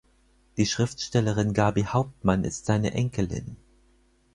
Die Schriftstellerin Gaby Hauptmann ist seine Enkelin.